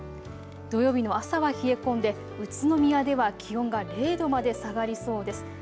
土曜日の朝は冷え込んで宇都宮では気温が０度まで下がりそうです。